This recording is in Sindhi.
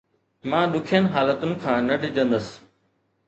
مان ڏکين حالتن کان نه ڊڄندس